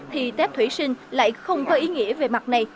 thì tép thủy sinh lại không có ý nghĩa về mặt này